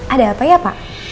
ada apa ya pak